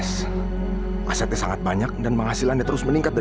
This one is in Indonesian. kalia yang berniat menghancurkan rumah kita